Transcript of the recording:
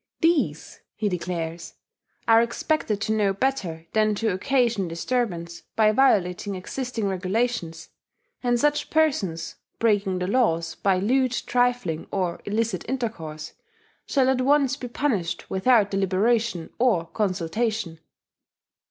"These," he declares, "are expected to know better than to occasion disturbance by violating existing regulations; and such persons, breaking the laws by lewd trifling or illicit intercourse, shall at once be punished without deliberation or consultation.